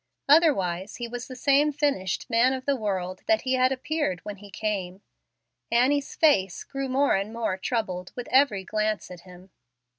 Otherwise, he was the same finished man of the world that he had appeared when he came. Annie's face grew more and more troubled with every glance at him.